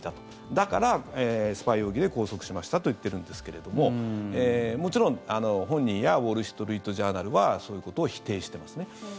だから、スパイ容疑で拘束しましたと言ってるんですがもちろん本人やウォール・ストリート・ジャーナルはそういうことを否定してます。